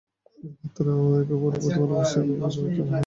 একমাত্র একে অপরের প্রতি ভালোবাসাই কখনো পরিবর্তিত হয় না।